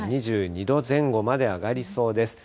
２２度前後まで上がりそうです。